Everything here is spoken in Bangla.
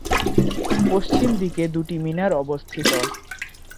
পশ্চিম দিকে দুটি মিনার অবস্থিত।